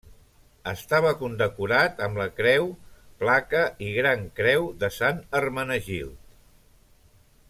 Estava condecorat amb la Creu, Placa i Gran Creu de Sant Hermenegild.